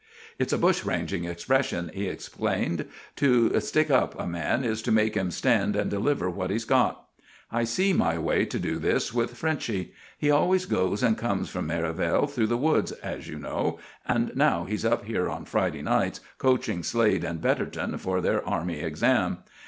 "It's a bushranging expression," he explained. "To 'stick up' a man is to make him stand and deliver what he's got. I see my way to do this with Frenchy. He always goes and comes from Merivale through the woods, as you know, and now he's up here on Friday nights coaching Slade and Betterton for their army exam.